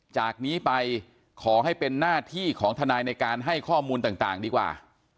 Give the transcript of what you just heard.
จากนี้ไปขอให้เป็นหน้าที่ของทนายในการให้ข้อมูลต่างดีกว่า